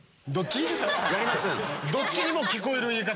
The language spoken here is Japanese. どっちにも聞こえる言い方。